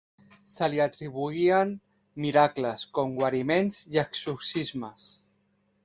Se li atribuïen miracles, com guariments i exorcismes.